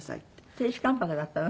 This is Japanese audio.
亭主関白だったの？